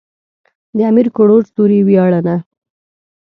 د امير کروړ سوري وياړنه.